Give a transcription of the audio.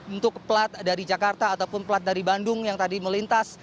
untuk plat dari jakarta ataupun plat dari bandung yang tadi melintas